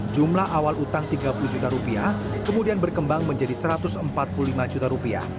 jumlah awal utang tiga puluh juta rupiah kemudian berkembang menjadi satu ratus empat puluh lima juta rupiah